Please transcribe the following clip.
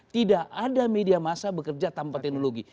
tidak ada media massa bekerja tanpa teknologi